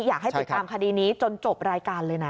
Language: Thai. อยากให้ติดตามคดีนี้จนจบรายการเลยนะ